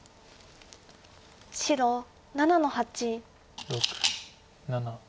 白７の八。